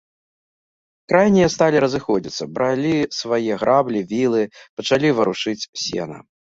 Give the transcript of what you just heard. Крайнія сталі разыходзіцца, бралі свае граблі, вілы, пачалі варушыць сена.